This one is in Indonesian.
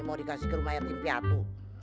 mau dikasih ke rumah yatim piatu